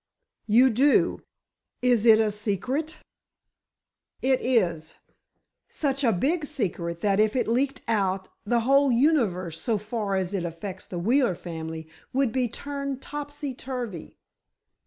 "You do! Is it a secret?" "It is. Such a big secret, that if it leaked out, the whole universe, so far as it affects the Wheeler family, would be turned topsy turvy!"